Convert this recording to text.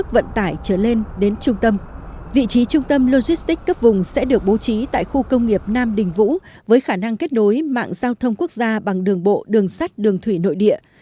vị trí trung tâm logistics cấp vùng sẽ được bố trí tại khu công nghiệp nam đình vũ với khả năng kết nối mạng giao thông quốc gia bằng đường bộ đường sắt đường thủy nội địa